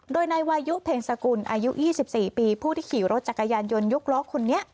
โดยนายวายุเพ็งสกุลอายุ๒๔ปีผู้ที่ขี่รถจักรยานยนต์ยกล้อคนนี้